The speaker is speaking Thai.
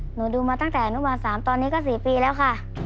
หนูดูมาตั้งแต่อนุบาล๓ตอนนี้ก็๔ปีแล้วค่ะ